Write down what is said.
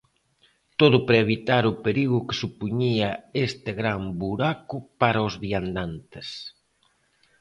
Todo para evitar o perigo que supoñía este gran buraco para os viandantes.